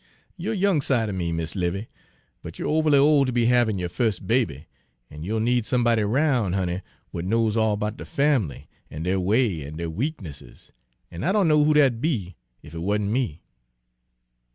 You're young side er me, Mis' 'Livy, but you're ove'ly ole ter be havin' yo' fus' baby, an' you'll need somebody roun', honey, w'at knows all 'bout de fam'ly, an' deir ways an' deir weaknesses, an' I don' know who dat'd be ef it wa'n't me.'